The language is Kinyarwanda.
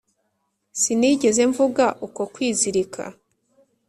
sinigeze mvuga uko kwizirika